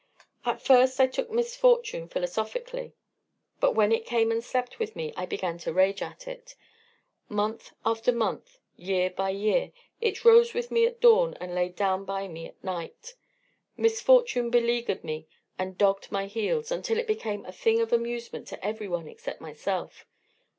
"At first I took misfortune philosophically; but when it came and slept with me, I began to rage at it. Month after month, year by year, it rose with me at dawn and lay down by me at night. Misfortune beleaguered me and dogged my heels, until it became a thing of amusement to every one except myself.